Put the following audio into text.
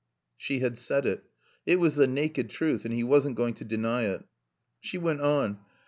She had said it. It was the naked truth and he wasn't going to deny it. She went on.